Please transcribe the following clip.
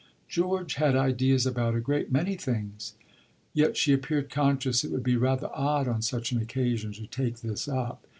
"George had ideas about a great many things." Yet she appeared conscious it would be rather odd on such an occasion to take this up.